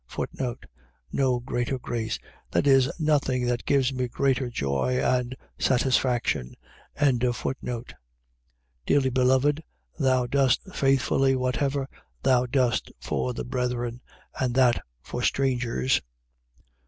No greater grace. . .that is nothing that gives me greater joy and satisfaction. 1:5. Dearly beloved, thou dost faithfully whatever thou dost for the brethren: and that for strangers, 1:6.